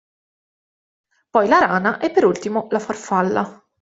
Poi la rana e per ultimo la farfalla.